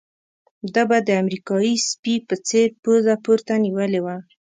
ده به د امریکایي سپي په څېر پوزه پورته نيولې وه.